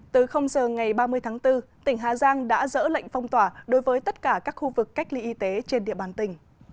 từ giờ ngày ba mươi tháng bốn tỉnh hà giang đã dỡ lệnh phong tỏa đối với tất cả các khu vực cách ly y tế trên địa bàn tỉnh